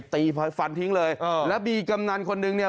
ตีฝันทิ้งเลยแล้วมีอีกอำนาญคนหนึ่งเนี้ย